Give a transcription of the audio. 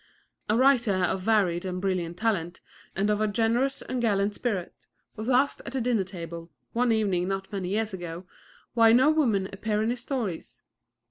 A writer of varied and brilliant talent and of a generous and gallant spirit was asked at a dinner table, one evening not many years ago, why no women appeared in his stories.